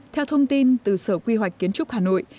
theo thông tin từ sở quy hoạch kiến trúc hà nội